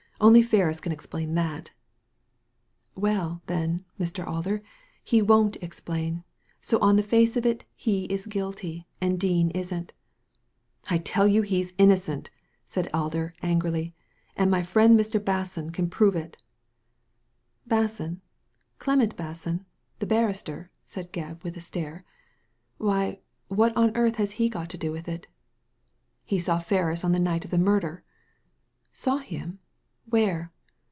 Only Ferris can explain that" "Well, then, Mr. Alder, he won't explain. So on the face of it he is guilty, and Dean isn't" " I tell you he is innocent !" said Alder, angrily, " and my friend Mr. Basson can prove it" "Basson — Clement Basson, the barrister?" said Digitized by Google A SURPRISING DISCOVERY 145 Gebb, with a stare. "Why, what on earth has he got to do with it?" " He saw Ferris on the night of the murder !" "Saw him! Where?"